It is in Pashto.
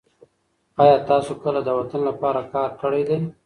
آیا تاسو کله د وطن لپاره کار کړی دی؟